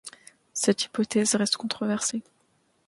Cette hypothèse reste controversée.